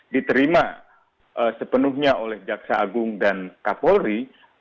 diterima sepenuhnya oleh jaksa agung dan kapolri